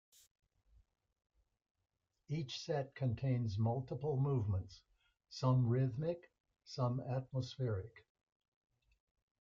Each set contains multiple movements, some rhythmic, some atmospheric.